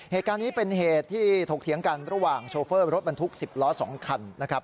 เหตุการณ์นี้เป็นเหตุที่ถกเถียงกันระหว่างโชเฟอร์รถบรรทุก๑๐ล้อ๒คันนะครับ